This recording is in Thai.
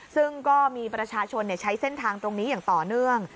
ซึ่งก็มีประชาชนใช้เส้นทางตรงนี้อย่างต่อเนื่อง